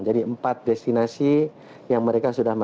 dan keempat adalah tanjung lesung